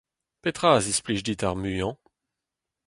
Petra a zisplij dit ar muiañ ?